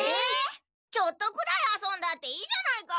ちょっとくらいあそんだっていいじゃないか！